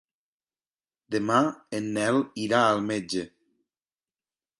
Demà en Nel irà al metge.